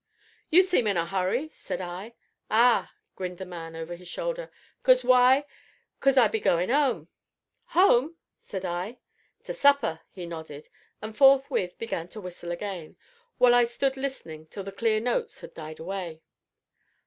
"You seem in a hurry," said I. "Ah!" grinned the man, over his shoulder, "'cause why? 'cause I be goin' 'ome." "Home!" said I. "To supper," he nodded, and, forthwith, began to whistle again, while I stood listening till the clear notes had died away.